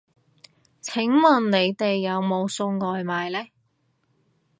請問你哋有冇送外賣呢